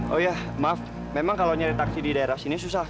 oh ya maaf memang kalau nyari taksi di daerah sini susah